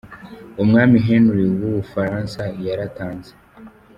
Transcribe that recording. Umwami Henry wa w’ubufaransa yaratanze.